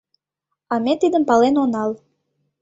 — А ме тидым пален онал.